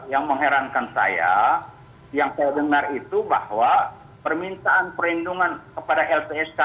yang mengherankan saya yang saya dengar itu bahwa permintaan perlindungan kepada lpsk